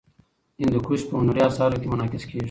هندوکش په هنري اثارو کې منعکس کېږي.